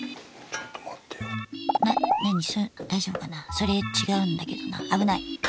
それ違うんだけどな危ない。